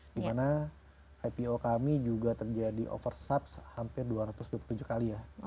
dimana ipo kami juga terjadi oversups hampir dua ratus dua puluh tujuh kali ya